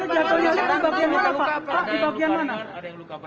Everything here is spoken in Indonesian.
lagi ada jatuhnya lift barangnya luka luka